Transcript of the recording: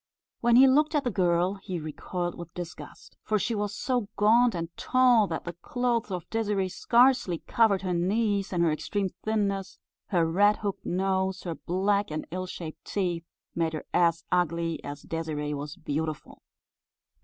When he looked at the girl, he recoiled with disgust; for she was so gaunt and tall that the clothes of Désirée scarcely covered her knees, and her extreme thinness, her red, hooked nose, her black and ill shaped teeth, made her as ugly as Désirée was beautiful.